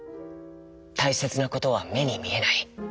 たいせつなことはめにみえない。